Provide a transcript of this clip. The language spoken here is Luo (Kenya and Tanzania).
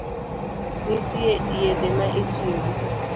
Nitie yedhe ma itiyogo?